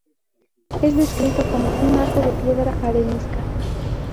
Es descrito como "un arco de piedra arenisca".